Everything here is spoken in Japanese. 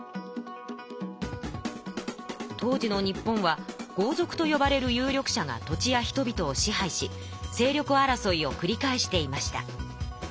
当時の日本は豪族とよばれる有力者が土地や人々を支配し勢力争いをくり返していました。